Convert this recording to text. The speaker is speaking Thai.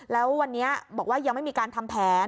แล้ววันนี้บอกว่ายังไม่มีการทำแผน